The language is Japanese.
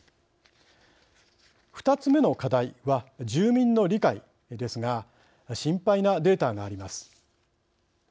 ２つ目の課題は住民の理解ですが心配なデータがあります。